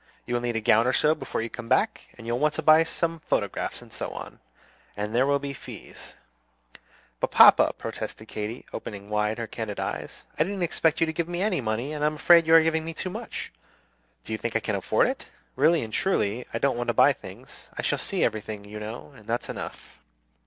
You will need a gown or so before you come back, and you'll want to buy some photographs and so on, and there will be fees " "But, papa," protested Katy, opening wide her candid eyes, "I didn't expect you to give me any money, and I'm afraid you are giving me too much. Do you think you can afford it? Really and truly, I don't want to buy things. I shall see everything, you know, and that's enough."